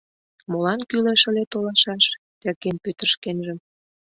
Молан кӱлеш ыле толашаш? — терген Пӧтыр шкенжым.